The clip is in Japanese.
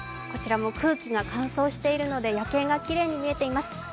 こちらも空気が乾燥しているので夜景がきれいに見えています。